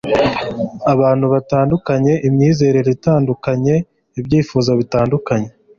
Abantu batandukanye, imyizerere itandukanye, ibyifuzo bitandukanye